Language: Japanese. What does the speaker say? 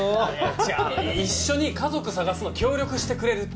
ちが一緒に家族捜すの協力してくれるって。